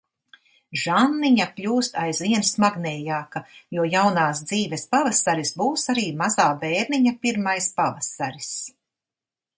Žanniņa kļūst aizvien smagnējāka, jo jaunās dzīves pavasaris būs arī mazā bērniņa pirmais pavasaris.